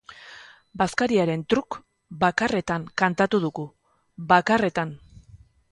Bazkariaren truk bakarretan kantatu dugu, bakarretan!